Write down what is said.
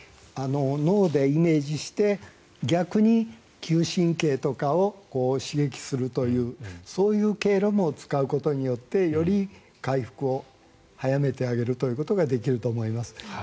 脳でイメージして逆に嗅神経とかを刺激するというそういう経路も使うことによってより回復を早めてあげるということができると思います。